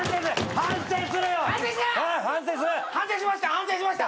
反省しました！